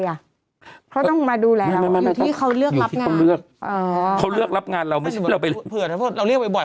แสดงว่าเขาต้องเจอเราบ่อย